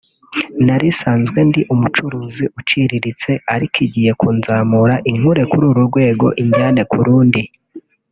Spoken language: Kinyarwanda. nari nsanzwe ndi umucuruzi uciriritse ariko igiye kunzamura inkure kuri uru rwego injyane ku rundi